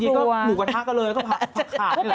จริงก็หมูกระทะกันเลย